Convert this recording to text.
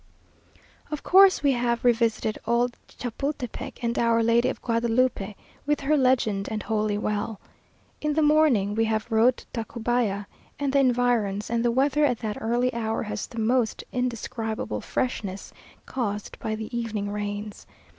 Of course we have revisited old Chapultepec and Our Lady of Guadalupe, with her Legend and Holy Well. In the morning we have rode to Tacubaya and the environs, and the weather at that early hour has the most indescribable freshness, caused by the evening rains.